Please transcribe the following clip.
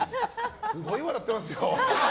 すごい笑ってますよ。